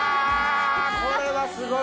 これはすごい！